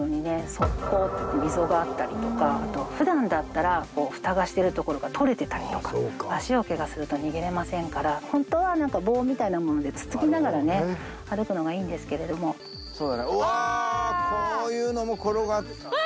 側溝溝があったりとかあとふだんだったら蓋がしてる所が取れてたりとか足をケガすると逃げれませんからホントは棒みたいなもので突っつきながらね歩くのがいいんですけれどもうわこういうのも転がってうわ！